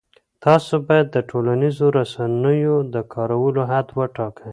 تاسو باید د ټولنیزو رسنیو د کارولو حد وټاکئ.